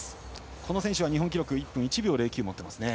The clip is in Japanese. この選手は日本記録１分１秒０９を持っています。